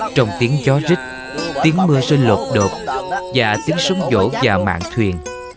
trong tiếng gió rít tiếng mưa rơi lột đột và tiếng sông vỗ và mạng thuyền